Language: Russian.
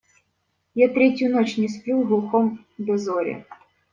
Я третью ночь не сплю в глухом дозоре.